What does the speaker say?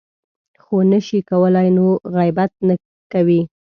خو نه شي کولی نو غیبت کوي .